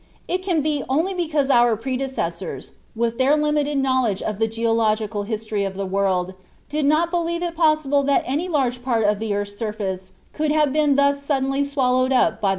It can only be because our predecessors, with their limited knowledge of the geological history of the world, did not believe it possible that any large part of the earth's surface could have been thus suddenly swallowed up by the sea.